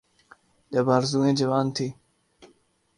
جب آرزوئیں جوان تھیں۔